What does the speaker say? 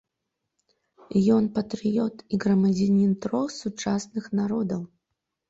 Ён патрыёт і грамадзянін трох сучасных народаў.